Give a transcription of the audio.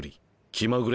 気まぐれ